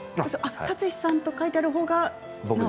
立嗣さんと書いているほうが。